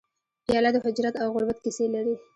پیاله د هجرت او غربت کیسې لري.